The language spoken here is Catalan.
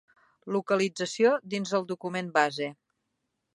Localització dins el document base.